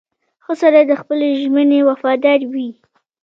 • ښه سړی د خپلې ژمنې وفادار وي.